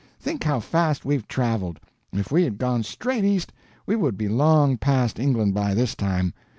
Think how fast we've traveled; if we had gone straight east we would be long past England by this time.